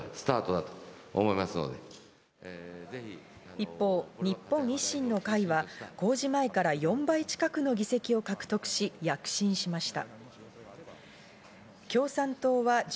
一方、日本維新の会は公示前から４倍近くの議席を獲得し、躍進しました。